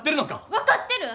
分かってる！